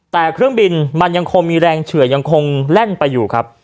แต่เครื่องบินมันยังคงมีแรงเฉื่อยยังคงแล่นไปอยู่ครับ